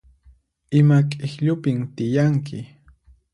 Ima k'ikllupin tiyanki?